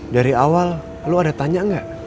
dari awal lo ada tanya nggak